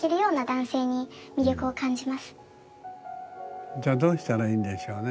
やはりじゃあどうしたらいいんでしょうね？